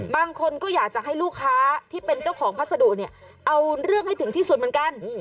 บางคนก็อยากจะให้ลูกค้าที่เป็นเจ้าของพัสดุเนี่ยเอาเรื่องให้ถึงที่สุดเหมือนกัน